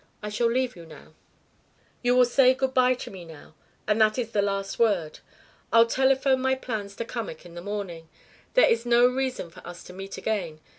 "I shall leave you now " "You will say good bye to me now, and that is the last word. I'll telephone my plans to Cummack in the morning. There is no reason for us to meet again.